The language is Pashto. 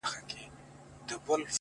o چي يوه لپه ښكلا يې راته راكړه،